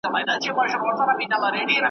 په نغمو په ترانو به یې زړه سوړ وو ,